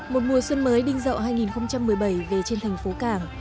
một mùa xuân mới đinh dậu hai nghìn một mươi bảy về trên thành phố cảng